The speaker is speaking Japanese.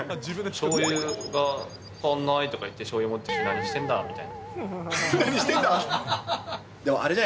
しょうゆが足んないとか言って、しょうゆ持ってきて、何してんだみたいな。